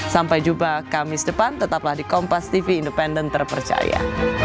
sampai jumpa kamis depan tetaplah di kompas tv independen terpercaya